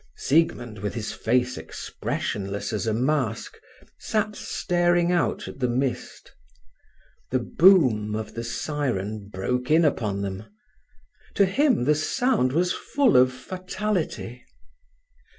Siegmund, with his face expressionless as a mask, sat staring out at the mist. The boom of the siren broke in upon them. To him, the sound was full of fatality.